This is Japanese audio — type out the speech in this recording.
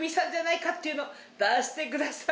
任してください！